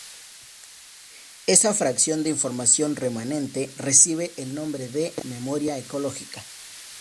Esa fracción de información remanente recibe el nombre de ‘"memoria ecológica"’.